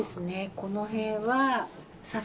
この辺は」